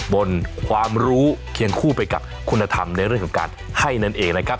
บนความรู้เคียงคู่ไปกับคุณธรรมในเรื่องของการให้นั่นเองนะครับ